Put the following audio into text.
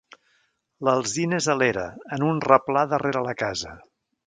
L'alzina és a l'era, en un replà darrere la casa.